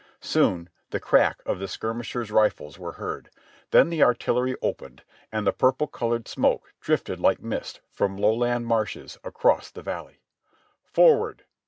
Soon the crack of the skirmisher's rifies were heard, then the artillery opened, and the purple colored smoke drifted like mist from lowland marshes, across the valley. "Forward